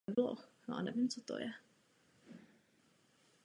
Příslušník zpravodajské služby též nesmí být členem odborové organizace.